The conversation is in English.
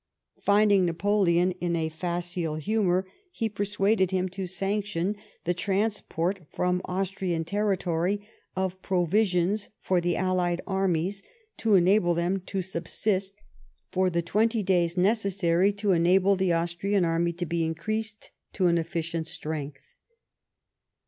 Finding Napoleon in a facile humour, he persuaded him to sanction the transport from Austrian territory, of provisions for the allied armies to enable them to subsist for the twenty days necessary to enable the Austrian army to be increased to an efficient strength.